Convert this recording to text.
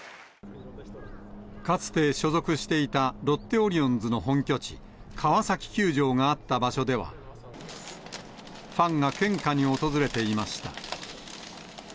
かつて所属していたロッテオリオンズの本拠地、川崎球場があった場所では、ファンが献花に訪れていました。